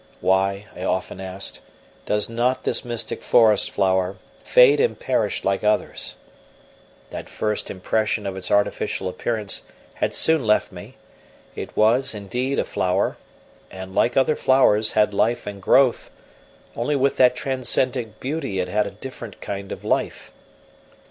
Why, I often asked, does not this mystic forest flower fade and perish like others? That first impression of its artificial appearance had soon left me; it was, indeed, a flower, and, like other flowers, had life and growth, only with that transcendent beauty it had a different kind of life.